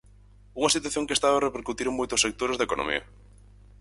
Unha situación que está a repercutir en moitos sectores da economía.